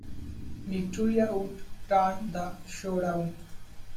Victoria Wood turned the show down.